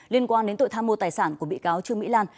liên quan đến tội tham mô tài sản của bị cáo trương mỹ lan